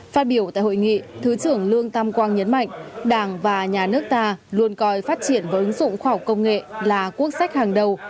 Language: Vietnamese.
phát biểu tại hội nghị thứ trưởng lương tam quang nhấn mạnh đảng và nhà nước ta luôn coi phát triển và ứng dụng khoa học công nghệ là quốc sách hàng đầu